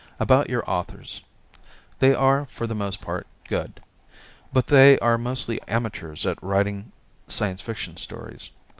About your authors. They are, for the most part, good. But they are mostly amateurs at writing Science Fiction stories.